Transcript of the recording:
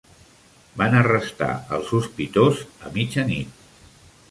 Van arrestar el sospitós a mitjanit